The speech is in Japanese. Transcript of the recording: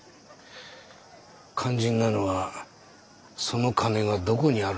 肝心なのはその金がどこにあるのか。